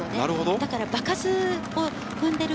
だから場数を踏んでいる。